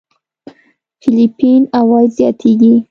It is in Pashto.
فېليپين عوايد زياتېږي.